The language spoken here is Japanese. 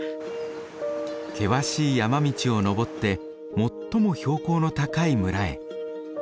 険しい山道を登って最も標高の高い村へ。